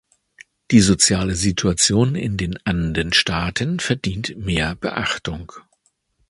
Die soziale Situation in den Andenstaaten verdient mehr Beachtung.